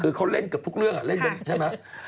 คือเขาเล่นกับทุกเรื่องอะใช่ไหม